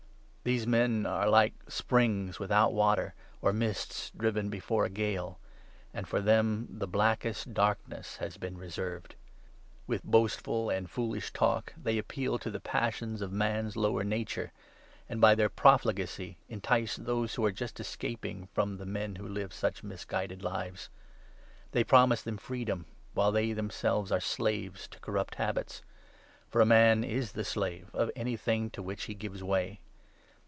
These men are like springs without water, 17 or mists driven before a gale ; and for them the blackest dark ness has been reserved. With boastful and foolish talk, they 18 appeal to the passions of man's lower nature, and, by their profligacy, entice those who are just escaping from the men who live such misguided lives. They promise them freedom, 19 while they themselves are slaves to corrupt habits ; for a man is the slave of anything to which he gives way.